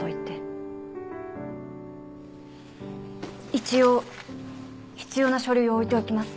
一応必要な書類を置いておきます。